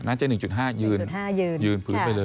อาจจะ๑๕ยืนพื้นไปเลย